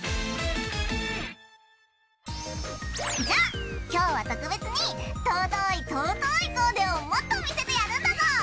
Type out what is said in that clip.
じゃあ今日は特別に尊い尊いコーデをもっと見せてやるんだぞ！